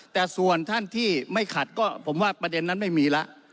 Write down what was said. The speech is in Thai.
แต่ส่วนท่านที่ไม่ขัดก็ผมว่าประเด็นนั้นไม่มีแล้ว